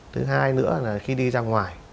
thứ hai nữa là khi đi ra ngoài